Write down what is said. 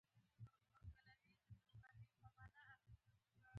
خیراتونه هم په پور او سود کوي، خو چاته کمه نه وایي.